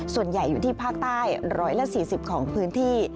ส่วนใหญ่อยู่ที่ภาคใต้๑๔๐ของพื้นที่